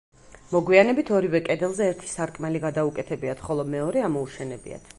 მოგვიანებით ორივე კედელზე ერთი სარკმელი გადაუკეთებიათ, ხოლო მეორე ამოუშენებიათ.